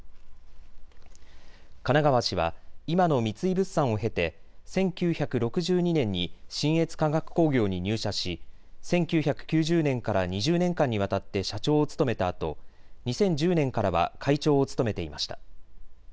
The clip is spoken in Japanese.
金川氏は今の三井物産を経て１９６２年に信越化学工業に入社し１９９０年から２０年間にわたって社長を務めたあと２０１０年からは会長を務めていました。